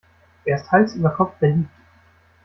Er ist Hals über Kopf verliebt.